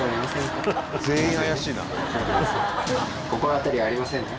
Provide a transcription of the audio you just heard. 心当たりありませんね？